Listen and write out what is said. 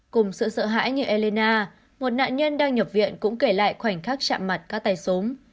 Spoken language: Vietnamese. cùng sự sợ hãi như elina một nạn nhân đang nhập viện cũng kể lại khoảnh khắc chạm mặt các tay súng